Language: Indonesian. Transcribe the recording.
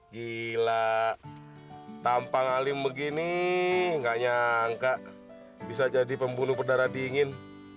gila tampang alim begini gak nyangka bisa jadi pembunuh berdarah dingin